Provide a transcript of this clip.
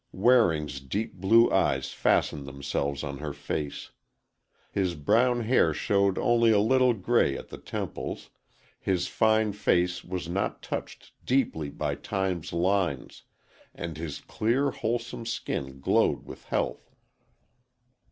Waring's deep blue eyes fastened themselves on her face. His brown hair showed only a little gray at the temples, his fine face was not touched deeply by Time's lines, and his clear, wholesome skin glowed with health.